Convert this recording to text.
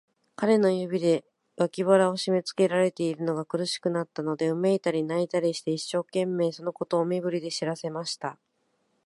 彼の指で、脇腹をしめつけられているのが苦しくなったので、うめいたり、泣いたりして、一生懸命、そのことを身振りで知らせました。